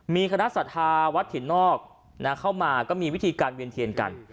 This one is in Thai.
มีคณะศรัทธาวัดถิ่นนอกเข้ามาก็มีวิธีการเวียนเทียนกัน